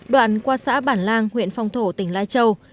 đoạn qua xã bản lang huyện phong thổ tỉnh lai châu